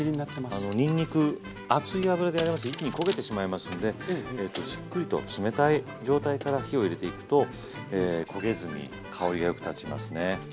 あのにんにく熱い油でやりますと一気に焦げてしまいますんでじっくりと冷たい状態から火を入れていくと焦げずに香りがよく立ちますね。